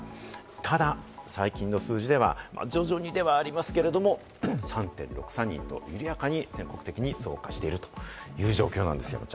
ただ、最近の数字では徐々にではありますけれども、３．６３人と緩やかに全国的に増加しているという状況なんです。